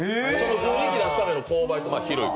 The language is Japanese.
雰囲気出すための勾配とか。